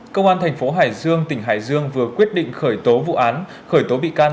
công an thành phố hải dương tỉnh hải dương vừa quyết định khởi tố vụ án khởi tố bị can